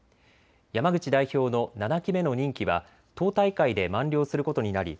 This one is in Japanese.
山口代表の７期目の任期は党大会で満了することになり